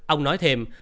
ông nói thêm